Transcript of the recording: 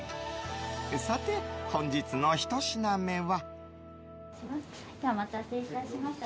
さて、本日のひと品目は。